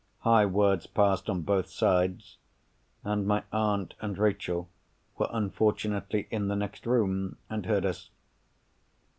High words passed on both sides; and my aunt and Rachel were unfortunately in the next room, and heard us.